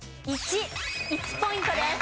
１。１ポイントです。